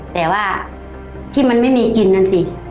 แต่ว่าที่มันไม่มีกินนั่นสิ